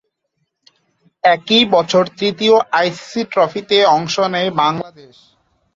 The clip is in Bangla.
একই বছর তৃতীয় আই সি সি ট্রফিতে অংশ নেয় বাংলাদেশ।